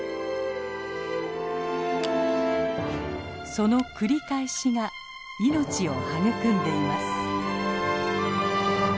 その繰り返しが命を育んでいます。